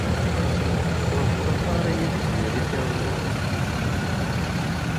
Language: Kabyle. Tuɣ teṭṭafaṛ-iyi Tiziri iḍ d wass.